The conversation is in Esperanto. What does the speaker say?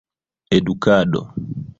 edukado